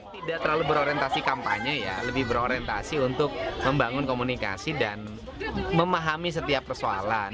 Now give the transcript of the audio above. tidak terlalu berorientasi kampanye ya lebih berorientasi untuk membangun komunikasi dan memahami setiap persoalan